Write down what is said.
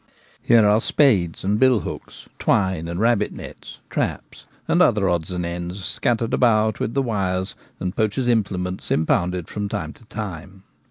Here are spades and billhooks, twine and rabbit nets, traps, and other odds and ends scattered about with the wires and poacher's implements impounded from time to time.